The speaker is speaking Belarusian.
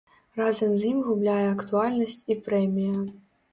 Разам з ім губляе актуальнасць і прэмія.